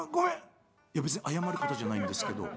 「いや別に謝ることじゃないんですけど」。